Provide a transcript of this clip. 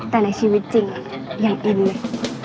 แต่ในชีวิตจริงยังอินเลย